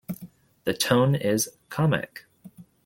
The tone is comic.